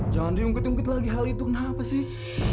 jangan diungkit ungkit lagi hal itu kenapa sih